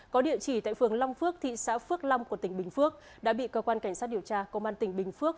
có địa chỉ tại phường long phước thị xã phước long của tỉnh bình phước đã bị cơ quan cảnh sát điều tra công an tỉnh bình phước